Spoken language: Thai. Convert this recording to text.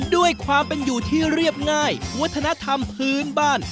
ด้วยความเป็นอยู่ที่เรียบง่ายวัฒนธรรมพื้นบ้าน